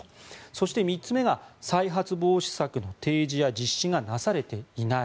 そして３つ目が再発防止策の提示や実施がなされていない。